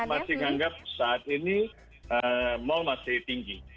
saya masih menganggap saat ini mall masih tinggi